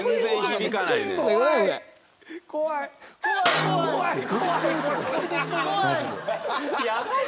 怖い。